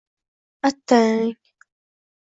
Attang!